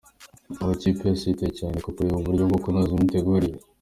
Ubu ikipe yose yitaye cyane ku kureba uburyo bwo kunoza imitegurire.